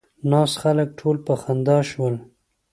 ناست خلک ټول په خندا شول.